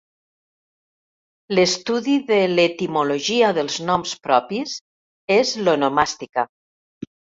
L'estudi de l'etimologia dels noms propis és l'onomàstica.